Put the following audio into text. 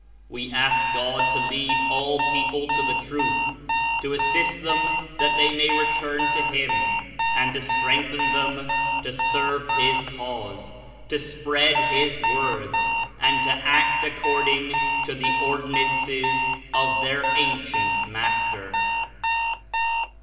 We ask God to lead all people to the Truth, to assist them that they may return to him, and to strengthen them to serve his Cause, to spread his Words and to act according to the Ordinances of their Ancient Master."